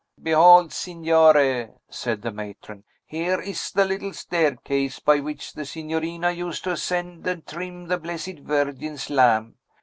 "Behold, Signore," said the matron; "here is the little staircase by which the signorina used to ascend and trim the Blessed Virgin's lamp.